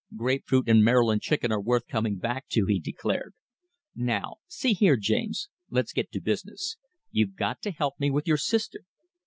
"Grapefruit and Maryland chicken are worth coming back to," he declared. "Now see here, James, let's get to business. You've got to help me with your sister."